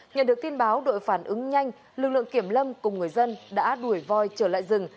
nhận được tin báo đội phản ứng nhanh lực lượng kiểm lâm cùng người dân đã đuổi voi trở lại rừng